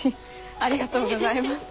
ありがとうございます。